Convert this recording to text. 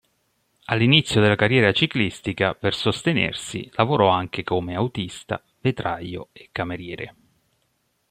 All'inizio della carriera ciclistica per sostenersi lavorò anche come autista, vetraio e cameriere.